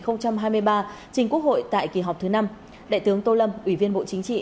năm hai nghìn hai mươi ba trình quốc hội tại kỳ họp thứ năm đại tướng tô lâm ủy viên bộ chính trị